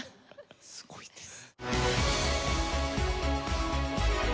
すごいです。